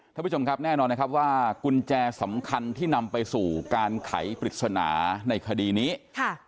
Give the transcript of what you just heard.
ท่านผู้ชมครับแน่นอนนะครับว่ากุญแจสำคัญที่นำไปสู่การไขปริศนาในคดีนี้ค่ะ